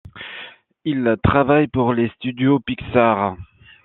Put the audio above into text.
Il travaille pour les studios Pixar.